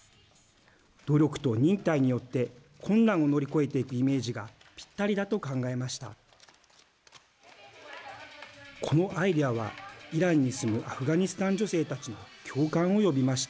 努力と忍耐によって困難を乗り越えていくイメージがぴったりだと考えました。